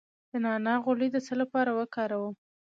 د نعناع غوړي د څه لپاره وکاروم؟